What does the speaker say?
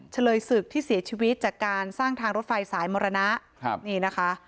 เฉลยศึกที่เสียชีวิตจากการสร้างทางรถไฟสายมรณะครับนี่นะคะ